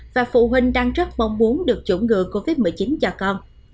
và phụ huynh đang rất mong muốn được chủng ngừa covid một mươi chín cho con